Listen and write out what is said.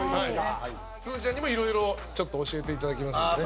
澤部：すずちゃんにもいろいろ、ちょっと教えていただきますのでね。